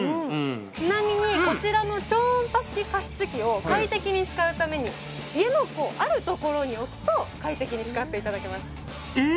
ちなみにこちらの超音波式加湿器を快適に使うために家のあるところに置くと快適に使っていただけますえっ？